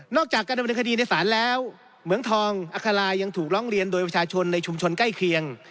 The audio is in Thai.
จากการดำเนินคดีในศาลแล้วเหมืองทองอัคลายังถูกร้องเรียนโดยประชาชนในชุมชนใกล้เคียง